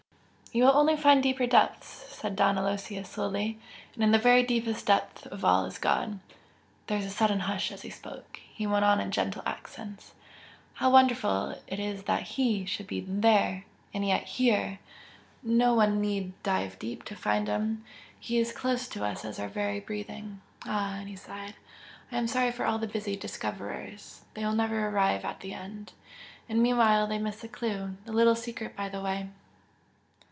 "You will only find deeper depths!" said Don Aloysius, slowly "And in the very deepest depth of all is God!" There was a sudden hush as he spoke. He went on in gentle accents. "How wonderful it is that He should be THERE, and yet HERE! No one need 'dive deep' to find Him. He is close to us as our very breathing! Ah!" and he sighed "I am sorry for all the busy 'discoverers' they will never arrive at the end, and meanwhile they miss the clue the little secret by the way!"